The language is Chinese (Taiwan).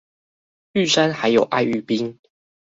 玉山還有愛玉冰